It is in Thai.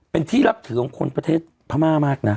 เป็นที่นับถือของคนประเทศพม่ามากนะ